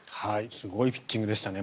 すごいピッチングでしたね